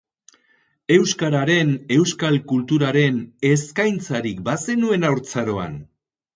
Euskararen, euskal kulturaren, eskaintzarik bazenuen haurtzaroan?